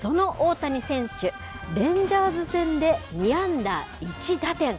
その大谷選手、レンジャーズ戦で２安打１打点。